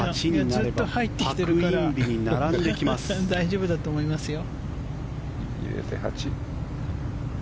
ずっと入ってきてるから大丈夫だと思いますよ。